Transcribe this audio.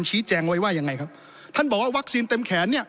ชี้แจงไว้ว่ายังไงครับท่านบอกว่าวัคซีนเต็มแขนเนี่ย